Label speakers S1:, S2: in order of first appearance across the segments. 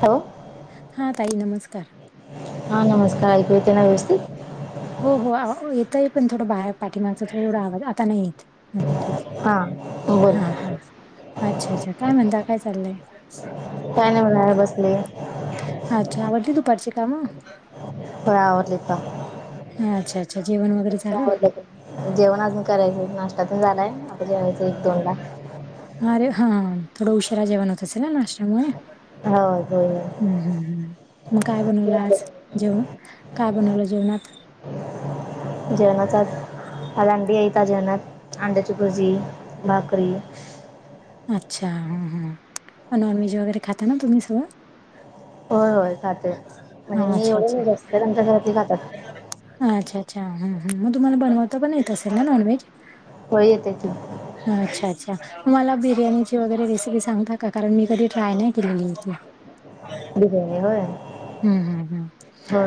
S1: हॅ
S2: हां ताई नमस्कार
S1: हा नमस्कार ऐक येत ना व्यवस्ित
S2: हो हो येतय पण थोडं बाहेर पाठिमागचा थोडा आवाज आता नाही येते
S1: हा बोल
S2: ह हा अच्छा अच्छा काय म्हणता काय चाललंय
S1: काय नाही म्हणा बसले
S2: अच्छा आवडती तू पडश काम
S1: ब आवडली
S2: अच्छा अच्छा जेवण वगैरे
S1: तुमचं
S2: चालं
S1: आवरलं का जेवण अजून करायचं नाष्ट्ातून झालाय आता जेवायचं एक दोनदा
S2: अरे हा थोडा उशरा जेवण होत असेल नाश्त्यामुळे
S1: होय होय
S2: हम्म हम्म हम् मग काय बनवलं
S1: होय
S2: आज जेवण काय बनवलं जेवणात
S1: जेवणचा आलांडी येयता जेवणात अंड्याची भजी भाकरी
S2: अच्छा ह हम नॉन व्हेज वगैरे खाता ना तुम्ही सगळं
S1: हो होय खाते म्हणजे मी
S2: अच्छा,
S1: एवढे
S2: अच्छा.
S1: नाही जास्त आच्या घरात खातात
S2: अच्छा अच्छा हम हम मग तुम्हाला बनवता पण येत असेल ना नॉन व्हेज
S1: हो येते त
S2: ह अच्छा अच्छा मला बिर्याणीची वगैरे रेसिपी सांगता का कारण मी कधी ट्राय नाही केलेलीची
S1: बिर्याणी होय
S2: हम्म हम्म हम्म
S1: हा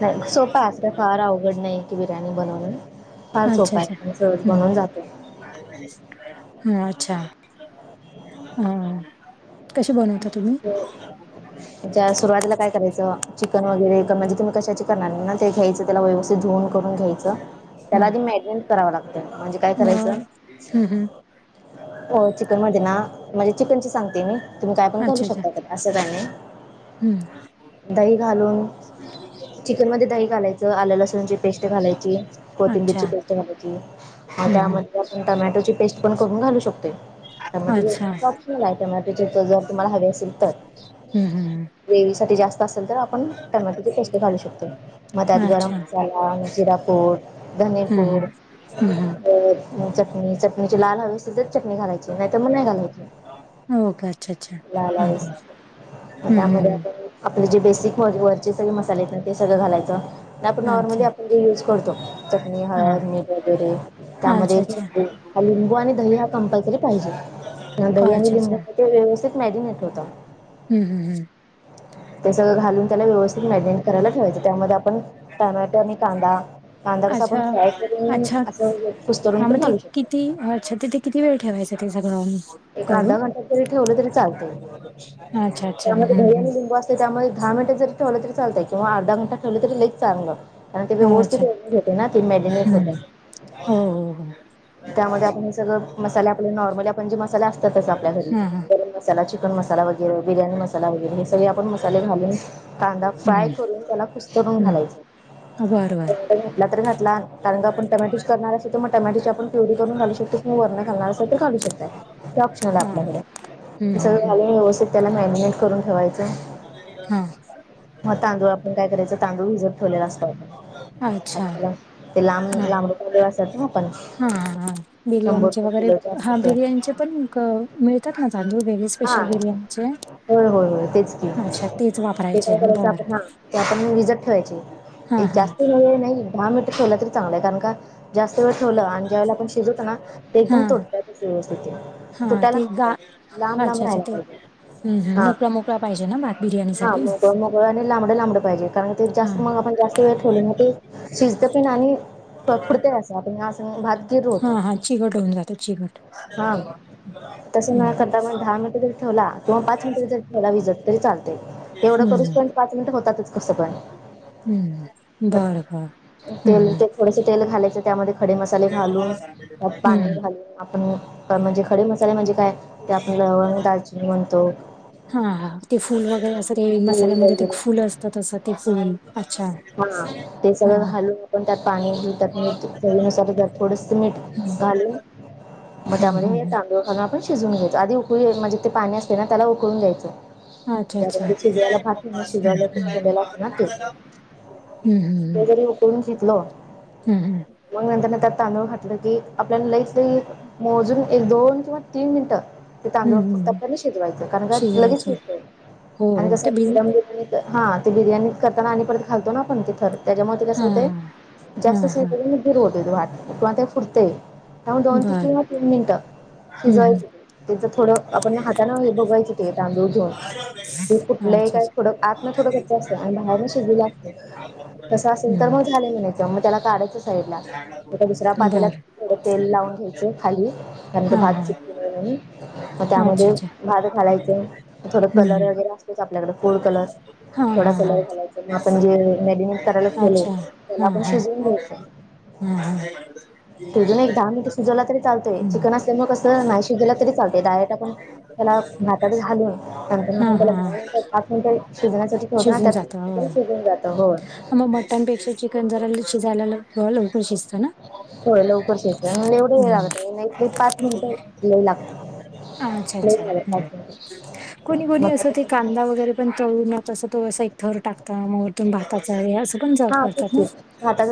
S1: नाही सोपा असता फार अवघड नाही की बिर्याणी बनवून फार सोपा आहे आणि सहज बनून जातो
S2: हो अच्छा हा कशी बनवतात
S1: अच्छा त्या सुरवातीला काय करायचं चिकन वगैरे म्हणजे तुम्ही कशाची करणार ना ते घ्यायचं त्याला व्यवस्थित धुवून करून घ्यायचं त्याला
S2: हम्म.
S1: आधी मॅगिनेट करावं लागतं म्हणजे काय करायचं
S2: मग हम्म हम्म
S1: हो चिकन मध्ये ना म्हणजे चिकन सांगते मी तुम्ही काय पण करू
S2: अच्छा अच्छा
S1: शकता का असं काय नाही
S2: हम्म
S1: दही घालून चिकन मध्ये दही घालायचं आलं लसूणची पेस्ट घालायची
S2: अच्छा
S1: कोथिंबीरची पेस्ट घालायची. ह
S2: हम्म हम्म
S1: त्यामध्ये आपण टमॅटोची पेस्ट पण करून घालू शकते. टमॅटो
S2: अच्छा.
S1: ऑप्शनल आहे टमॅटोचे त जर तुम्हाला हवे असेल तर
S2: हम्म हम्म
S1: ग्रेवीसाठी जास्त असेल तर आपण टमॅटोचे पोष्ट घालू शकतो मग त्यात गरम
S2: अच्छा. हम्म
S1: मसाल जिरापूट
S2: हम्म
S1: धनीपूर
S2: हम्म
S1: चटणी चटणीची लाल हवे अस तरच चटणी घालायची नाहीतर मग नाही घालायची.
S2: हम्म ओके अच्छा अच्छा
S1: ला
S2: हम्म
S1: लागस
S2: हम्म
S1: मग
S2: हम्म
S1: त्यामध्ये
S2: हम्म.
S1: आप. आपले जे बेसिक वरचे सगळे मसालेेत ते सगळं घालायचं. आपण नॉर्मली
S2: अच्छा
S1: आपण जे युज करतो चटणी
S2: हा
S1: हळद मीट वगैरे
S2: अच्छा
S1: त्यामध्ये
S2: अच्छा
S1: लिंबू आणि दही. कंपल्सरी पाहिजे दही आणि
S2: अच्छा अच्छा
S1: लिंबाू व्यवस्थित मॅगिनेट होत.
S2: हम् हम् हम.
S1: ते सगळं घालून त्याला व्यवस्थित मेंटेन करायला ठेवायचे त्यामध्ये आपण टमॅटो आणि कांदा कांदा कसा आपण
S2: अच्छा
S1: फ्राय करून असं कुसतडून पण घालू शकतो.
S2: त अच्छ तिथे किती वेळ ठेवायचं ते सगळं.
S1: एक
S2: करून
S1: अर्धा घंटात तरी ठेवलं तरी चालनते
S2: अच्छा अच्छा
S1: त्यामध्ये
S2: हम्म
S1: भही
S2: हम्म
S1: आणि लिंबू अस. तर त्यामध्ये दहानटं जरी ठेलं तरीलत आहे किंवा अर्ध घंटा ठेवलं तरी ग चांगलं. कारण ते व्यवस्थितट होते ना ते मॅडिनेट होते.
S2: हा हा हा.
S1: त्यामध्ये आपण हे सगळं मसाले आपल्या नॉर्मल आपण जे मसाले असतातच आपल्या घरी
S2: हा हा
S1: गरम मसालाची चिकन मसाला वगैरे बिर्याणी मसाला वगैरे हे सगळे आपण मसाले घालून. कांदा फ्राय
S2: हम्म
S1: करून त्याला कुसतरून
S2: हम्म
S1: घालायचा.
S2: बरं बरं
S1: घटला तरी घटला कारण का आपण टमॅटोच करणार असो तर मग टमॅटोच्या आपण [unintelligible] व्यवस्थित
S2: हा हम्म हम्म हम्म
S1: त्याला मॅरिनेट करून ठेवायचं.
S2: हा.
S1: मग तांदूळ आपण काय करायचं तांदूळ भिजत ठेवलेला असत. अला ते लांब
S2: हा.
S1: लांबड चालेवासत ना आपण
S2: हा हा
S1: शंभर
S2: बिर्याणीचे
S1: रुपये
S2: वगैरे
S1: किलोचे असतात
S2: हा
S1: ते.
S2: बिर्याणीचे पण मिळतात ना तांदूळ वेगळे.
S1: हा
S2: स्पेशल बिर्याणीचे
S1: होय होय होय तेच की
S2: अच्छा तेच
S1: ते
S2: वापरायचे
S1: काय करायचं
S2: बरं
S1: आपण हा. त्या आपण रजत
S2: हा
S1: ठेवायची
S2: हा.
S1: जास्त मज नाही दहा मीटर ठेवलं तरी चांगलं आहे कारण का? जास्त वेळ ठेवलं आणि ज्या वेला आपण शिजूतो ना ते
S2: हा
S1: एकदम तुटत व्यवस्थिती
S2: हा
S1: तुटायला
S2: ते
S1: नाही
S2: गा
S1: पाहिजे. लांब लांब
S2: अच्छा अच्छा
S1: राहायला
S2: ते
S1: पाहिजे
S2: ह्
S1: हा.
S2: मोकळा मोकळा पाहिजे ना मात बिर्याणी
S1: हां,
S2: साठी
S1: मोकळं आणि लांबडं लांबडं पाहिजे कारण ते जास्त मग आपण जास्त वेळ ठेवले ना ते शिजत पिण आणि पुडत असं आपण भात गिर होत.
S2: ट
S1: तसं न
S2: ह.
S1: करता दहा मिनटरी ठेवला क पाच मिनटरीेवला विजतरी चालवढं
S2: हम्म
S1: करू. पाच मिनट होतात. कस पण
S2: हम्म बर बर
S1: तेल
S2: हम्म.
S1: ते थोडस तेल घालायचं त्यामध्ये खडे मसाले घालून त्यात पाणी
S2: हम्म
S1: घालून आपण म्हणजे खडे मसाले म्हणजे काय? ते आपण लवंग दाजी म्हणतो.
S2: हाा ते फुल वगैरे असं ते
S1: पूड
S2: मसाल्यामध्ये ते
S1: वगैरे
S2: फुल असतात तसं ते फुल
S1: हा ते सगळं घालून आपण त्यात पाणी घऊतात मीनुसार थोडस मीठ
S2: हम्म
S1: घालून मग
S2: हम्म
S1: त्यामध्ये
S2: हम्म
S1: येत. ा आपण शिजून घयचो आध उकळी म्हणज ते पाणी असते ना त्याला उकळून द्यायचं.
S2: अच्छा
S1: त्या
S2: अच्छा
S1: शिजवायला भात
S2: हम्म
S1: शिजवायला्यालाच ना ते
S2: हम्म
S1: री उकून शिकलो.
S2: हम हम.
S1: मग नंतर त्यात तांदूळ घातलं की आपल्याला लईफ मोजूंन एक दोन किंवा तीनं मिनिटं ते तांदूळ
S2: हम्म
S1: फक्तं
S2: हम्म
S1: पणं शिजवांयचें कारणं कां
S2: शिजवायचे
S1: लगेचंत
S2: हो
S1: आणि
S2: हो ते भिज
S1: कसं हां ते बिर्याणी करतांना आणि परतं खालतो नां आपणं तिखंट त्यांच्यामुळे ते कसं
S2: हा
S1: होतं
S2: हा हा
S1: जास्तं गिर होतं वाट किंवा ते फुटतेयं त्यामुळें दोन तं
S2: बर
S1: तीनं मिनटं
S2: हम्म हम्म.
S1: शिजवायंचे त्यांचं थोडं आपणं हातांन हे बघायचं ते तांदूळ घेऊन ते कुठलंही
S2: अच्छा अच्छा
S1: कायं आंत नां थोडं कंच असते आणि बाहेरणं शि शिजलेल असते तसं झालेलं
S2: हम्म
S1: मन झालेलं त्यांला काढायचं सां दुसऱ्यां पात्यांला
S2: बर
S1: थोडं तेल लावूंन घ्यांयचं खांली त्यांनंतर
S2: हा
S1: भांत चीपकू नये म्हणून मंग
S2: हा अच्छा
S1: त्यांमध्ये
S2: अच्छा
S1: भात घालायचं थोडं कलर वगैरें असतोचं आपल्यांकडे फूड कलर
S2: हां
S1: थोडा
S2: हां हां
S1: कलर घालायचा मग आपण जे मॅरिनेट करायला ठेवले
S2: अच्छा हां हां
S1: तजूंन एक दहा मिनिटं शिजवलां तरी चालतोयं
S2: हम्म
S1: चिकन असल्यांमुळे कसं नाहीं शिजवलां तरी चालतंय डायरेक्ट त्यानला भातांत घालूंन त्यानंतर
S2: हा
S1: आपणं त्यांला दहा
S2: हा
S1: मिनिटं पांच मिनट शिजण्यांसाठी होतं नां
S2: शिजून
S1: त्यांत
S2: जात
S1: ते शिजूंन जातां होयं
S2: त्यां पेक्षा चिकन जरां शिजायलां ज्यां लवकरं शिजतो नां
S1: होयं लवकरचं शिजते एवढे लागते पांच मिनिटं लागतं
S2: अच्छा
S1: लय
S2: अच्छा
S1: झालं पाच मिनिटं
S2: कोणी कोणी
S1: मग
S2: असं ते
S1: आता
S2: कांदा वगैरें पणं तळूं नं तसं तो एक थर टांकता मं तो मं भातांचा हे असं पणं जब करतातं नां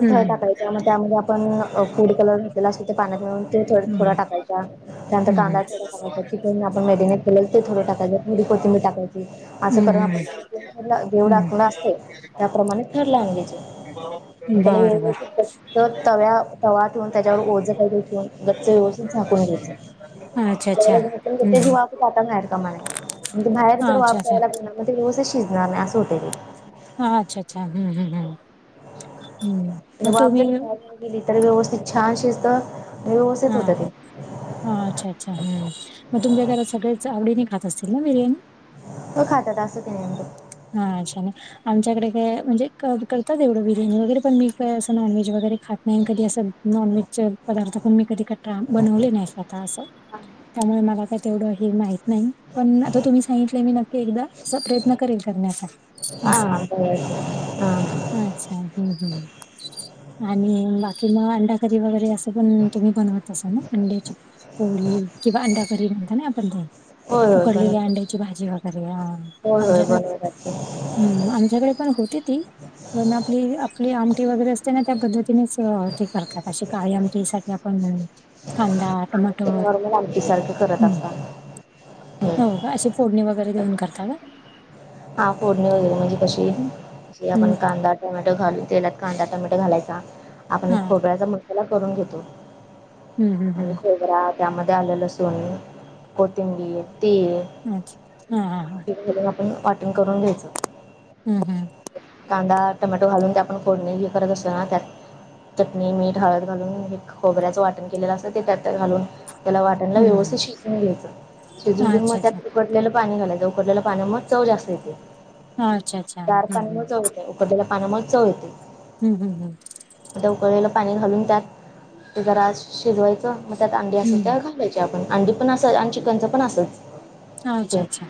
S2: हं
S1: मंग त्यांमध्ये आपणं फूड कलर घातलेलां असतो ते पाण्यांत मिळून तो थर
S2: हम्म.
S1: थोडा टांकायचां त्यांतर
S2: हम्म
S1: कांदा थोडा टाकायंचा चिकन आपणं मेडिनेस केले ते थोडं टाकायचं थोडी कोथंबी टाकायचं असं कारणं
S2: हम्म.
S1: आपणं
S2: हम्म हम्म.
S1: जेवडांकवणं असते त्यांप्रमाणे थर लावायचे आणि त्यांला
S2: बरं
S1: व
S2: बरं.
S1: तव्यां तवा ठेवूनं त्यांच्यावर ओझ काहीदे ठेवूंन गच्चं व्यवस्थित झांकून घ्यायचंय
S2: अच्छा अच्छा
S1: त्यांला झांकून घेतंल
S2: हम्म
S1: त्यांची जराक
S2: हम्म.
S1: वाफ जाता कांमा नई म्हंणजे बाहेर जरं
S2: अच्छा
S1: वाफ
S2: अच्छा
S1: जायांलागली जरं ते व्यवस्थितं शिजणारं नाहीं असं होतं की
S2: हां अच्छा अच्छा हं हम्मं हम्मं
S1: ते वाफ जरी बाहेर नाहीं गेली तरी व्यवस्थित छान शिजतंय आणि व्यवस्थित होतं ते
S2: हां अच्छा अच्छा हंम मंग तुमच्यां घरांत सगळेचं आवडीने खातं असतीलं नां बिर्याणी
S1: हो खांतातं असं ते कांहीं नाहीं
S2: हां छान आमच्यांकडे कायं म्हणजे करतांत तेवढं बिर्याणी वगैरें पणं मी कायं असं नॉनव्हेज वगैरें खातं नाहीं कधीं असं नॉनव्हेजचं पदार्थ पणं मी कधीं बनवले नाहीं स्वंतः असं त्यांमुळे मला कांहीं तेवढं हे माहीत नाहीं असं पणं आतां तुम्हीं सांगितलं मी नक्की एकदां प्रयंत्न
S1: हां बरं बरं हां
S2: अच्छा हं आणि बाकी मंग अंडाकरी वगैरें असं पणं तुम्हीं बनवंत असालं नां अंड्याची पोळी किंवा अंड्या कररी म्हणतां नां आपणं जां
S1: होय होय
S2: उकडलेली
S1: बनवतात.
S2: अंड्यांची भाजी वगैरें
S1: होय होय
S2: आमच्यांकडे
S1: बनवतात ते.
S2: हम्मं आमच्यांकडे पणं होतीचं पणं आपली आपली आमटी वगैरें असते नां त्यां पद्धतीनेचते काळी आमटी सांठी आपणं कांदा टोमॅटो
S1: ते नॉर्मल आमटी सारखं करतं असतांत
S2: बघां अशी फोडणी वगैरें देऊंन करतां न
S1: हां फोडणी वगैरें म्हणजे कशी
S2: हं,
S1: जे
S2: हं,
S1: आपणं कांदा टमॅटो घालूंन तेलातं कांदा टमॅटो घालायचां आपणं
S2: हा
S1: खोबऱ्याचां मसांला करूंन घेतो
S2: हम्म
S1: म्हणजे
S2: हम्म
S1: खोबरां त्यांमध्ये आलेलं लसुण कोथिंबीर तीळ
S2: अच्छा हंम हंम
S1: आपणं वाटणं करूंन घ्यांयचं
S2: हंम हंम
S1: कांदा टोमॅटो घालूंन ते आपणं फोडणे हे करतं असतों नां त्यांत चटणी मीठ हळंद घालूंन हे खोबऱ्याचं वाटणं केलेलं असतं ते त्यांत घालूंन त्यांला वाटणलां
S2: हम्म
S1: व्यवस्थितं शिजवूंन घ्यायचं शिजवूंन घेऊंन मंग
S2: अच्छा अच्छा
S1: त्यांत उकळलेलं पाणी घालायचं, उकटलेलं पाणीमळे चव जास्त येते,
S2: अच्छा अच्छा हम्म
S1: गार पाणी न चव येत उकळलेल्या पाण्यामुळे चव येते.
S2: ह ह ह
S1: मग उकळलेलं पाणी घालून त्यात जरा शिजवायचं, मग त्यात अंडी असतील
S2: हम्म
S1: तर [unintelligible] आपण अंडी पण असंच आणि चिकनच पण असंच हो,
S2: अच्छा अच्छा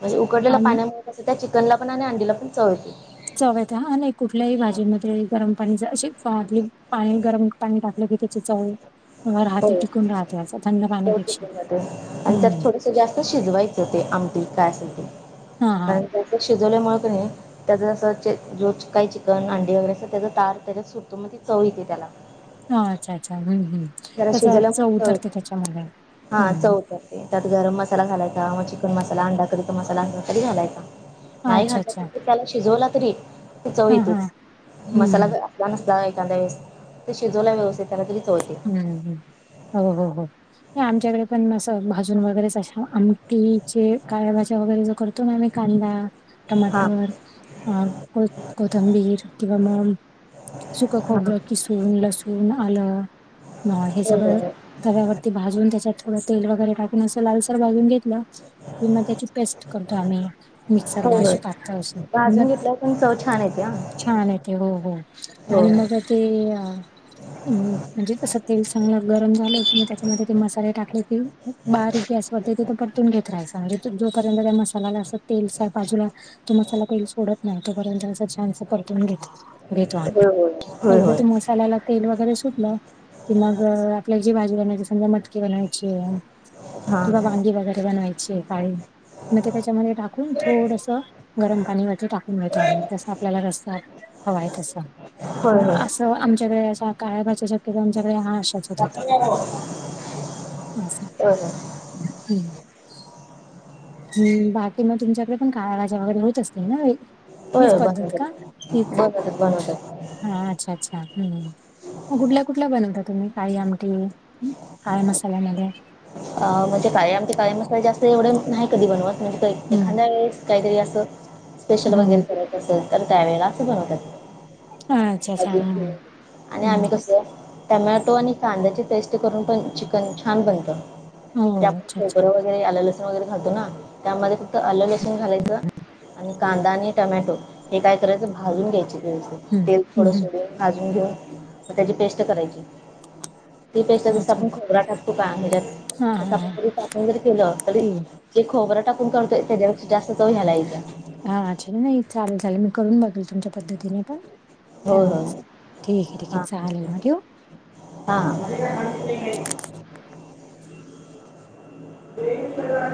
S1: म्हणजे उकळलेल्या
S2: आणि
S1: पाण्यामुळे कसं त्या चिकनला पण आणि अंडीला पण चव येते
S2: चव येते हा नाही कुठल्याही भाजीमध्ये गरम पाणी जरा अशी पाणी गरम पाणी टाकलं की त्याची चव राहते
S1: हो
S2: टिकून राहते असं, थंड पाण्यापेक्षा हम्म
S1: ते जास्त शिजवायचं ते आमटी काय असेल ते,
S2: हा हा
S1: कारण त्याचं शिजवल्यामुळे का नाही त्याचं जसं जो काही चिकन, अंडी वगैरे असं त्याचा तार त्याच्यात सुटतो मग ती चव येते त्याला.
S2: हा अच्छा अच्छा हम्म हम्म
S1: जरा
S2: तसं
S1: शिजवल्यामुळे
S2: चव उतरते
S1: येते
S2: त्यांच्यामुळे
S1: हां
S2: हम्म.
S1: चव त्यात गरम मसाला घालायचा, मग चिकन मसाला, अंडा करीचा मसाला अंड तरी घालायचा. नाही
S2: अच्छा अच्छा
S1: घातला त्याला शिजवला तरी ही चव
S2: हा हा
S1: येतेच
S2: हम्म
S1: मसाला एखांदा वेळेस ते शिजवला व्यवस्थित त्याला तरी चव येते.
S2: हम्म हम् हो हो हो. आमच्याकडे पण असं भाजून वगैरेशा, आमटीचे काळ्या भाज्या वगैरे जे करत कांदा,
S1: हां
S2: टोमॅटो, अ... कोथिंबीर किंवा मग सुकं
S1: हां
S2: खोबरं
S1: हो
S2: किसून, लसुन, आलं मग हे
S1: हो
S2: सगळं
S1: हो
S2: तव्यावरती भाजून, त्याच्यात थोडं तेल वगैरे टाकून असं लालसर भाजून घेतलं किं मग त्याची पेस्ट करतो आम्ही
S1: होय
S2: मिक्सरला
S1: होय
S2: अशी टाकतो असून मग
S1: भाजून घेतल्यावर पण चव छान येते हा
S2: छान य ते हो हो.
S1: होय
S2: आणि मग ते म्हणजे तसं तेल चांगलं गरम झालंत, मग त्याच्यामध्ये ते मसाले टाकले की बारीक गॅस तिथ परतून घेत राहायचा म्हणजे जोपर्यंत मसालाला अस तेलच्या बाजूला तो मसाला तेल सोडत नाही तोपर्यंत छानस परतवून घ्यायचं
S1: होय होय. होय
S2: एकदा
S1: होय
S2: त्या मसाल्याला तेल वगैरे सुटलं की मग आपल्याला जी भाजी बनायची समजा मटकीे बनायची आहे
S1: हां
S2: किंवा वांगी वगैरे बनवायची काळी मग ते त्याच्यामध्ये टाकून थोडसं गरम पाणीवरती टाकून घळतो आम्ही जसं आपल्याला रसना हयट अस
S1: होय होय
S2: आमच्याकडे असा काळ्या काचेच्या किंवा तुमच्याकडे हा आसाच होतात.
S1: होय
S2: हम्म. हम् बाकी मग तुमच्याकडे पण काळ्या भाज्या वगैरे होत असते ना
S1: हो,
S2: हीच पद्धत का
S1: बनवतात
S2: हीच
S1: बनवतात बनवतात.
S2: हा, अच्छा अच्छा, हम् कुठल्या कुठल्या बनवता तुम्ही काही आमटी काळ मसाल्यामध्ये
S1: अ म्हणजे काळे आमट काळे मसाले जास्त एवढे नाही कधी बनवत
S2: हम्म
S1: एखाद्या वेळेस काहीतरी असं स्पेशल
S2: हम्म
S1: वगैरे करत असेल तर त्यावेेळेला असं बनवतात.
S2: अच्छा अच्छा
S1: अजून
S2: हम्म
S1: आणि आम्ही
S2: हम्म
S1: कस आह टमॅटो आणि कांद्याची टेस्टी करून पण चिकन छान बनतं
S2: हो
S1: म्हणजे
S2: अच्छा अच्छा
S1: आ आलं लसण वगैरे घातो ना त्यामध्ये फक्त आलं लसण घालायचं. आणि कांदा आणि टमॅटो हे काय करायचं भाजून घ्यायचे ते
S2: हम्म
S1: तेल थोडं
S2: हम्म
S1: सोडून भाजून घेऊ मग त्याची पेस्ट करायची. त पेास
S2: अच्छा
S1: आपण खरा टाकतो का म्हणजे
S2: हा हा
S1: तसं
S2: हा
S1: आपणस आपण जर केलं तरी
S2: ते
S1: जे खोबं टाकून करतोय त्याच्यापेक्षा जास्त तो ह्यालायेत.
S2: हाच्छ नाही चालेल चालेल मी करून बघेल तुमच्या पद्धतीने पण ते
S1: होय होय
S2: ठीक आहे ठीक आहे चालेल ना ठेवू.
S1: हा ते